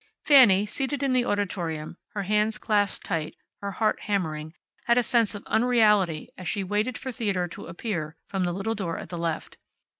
Fanny, seated in the auditorium, her hands clasped tight, her heart hammering, had a sense of unreality as she waited for Theodore to appear from the little door at the left.